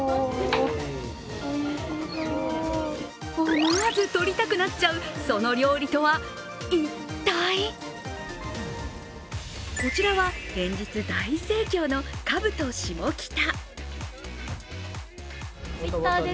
思わず撮りたくなっちゃうその料理とは、一体こちらは連日大盛況のカブトシモキタ。